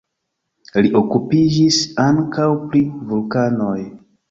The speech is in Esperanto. Li okupiĝis ankaŭ pri vulkanoj.